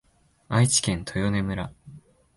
愛知県豊根村